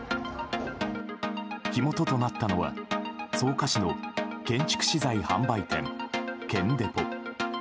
火元となったのは草加市の建築資材販売店、建デポ。